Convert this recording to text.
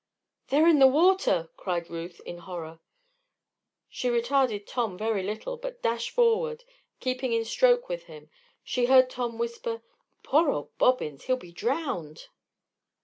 "They're in the water!" cried Ruth, in horror. She retarded Tom very little, but dashed forward, keeping in stroke with him. She heard Tom whisper: "Poor old Bobbins! he'll be drowned!"